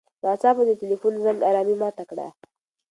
ناڅاپه د تیلیفون زنګ ارامي ماته کړه.